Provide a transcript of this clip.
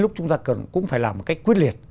lúc chúng ta cần phải làm một cách quyết liệt